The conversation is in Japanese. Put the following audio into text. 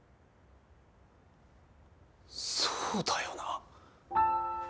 そうだよな。